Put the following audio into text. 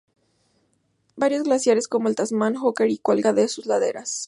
Varios glaciares, como el Tasman y Hooker, cuelgan de sus laderas.